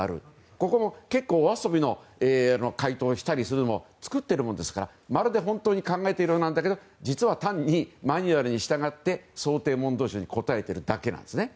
ここも結構お遊びの回答をしたりするのを作っているものですからまるで本当に考えているようですが実は単にマニュアルに従って想定問答集で答えているだけなんですね。